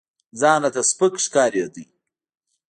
ځان راته سپك ښكارېده.